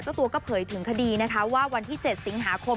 เจ้าตัวก็เผยถึงคดีนะคะว่าวันที่๗สิงหาคม